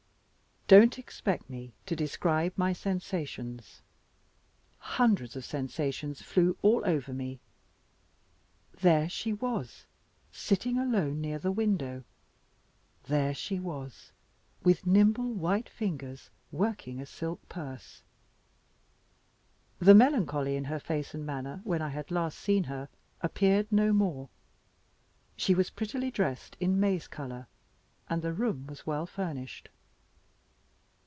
Don't expect me to describe my sensations: hundreds of sensations flew all over me. There she was, sitting alone, near the window! There she was, with nimble white fingers, working a silk purse! The melancholy in her face and manner, when I had last seen her, appeared no more. She was prettily dressed in maize color, and the room was well furnished.